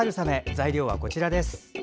材料はこちらです。